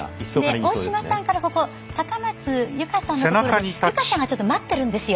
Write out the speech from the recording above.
大島さんから、ここ高松佑圭さんのところで佑圭さんが待ってるんですよ。